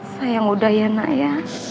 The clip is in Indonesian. sayang muda ya nak ya